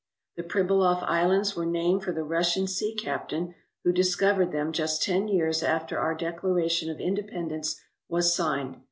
The Pribilof Islands were named for the Russian sea captain who discovered them just ten years after our Declaration of Independence was signed.